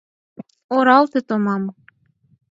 Оралте томам...